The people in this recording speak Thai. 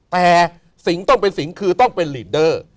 แต่สิ่งต้องเป็นสิงคือต้องเป็นลีดเดอร์